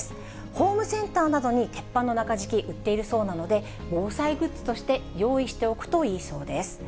ホームセンターなどに鉄板の中敷き、売っているそうなので、防災グッズとして用意しておくといいそうです。